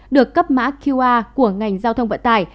được cấp mã qr của ngành giao thông vận tải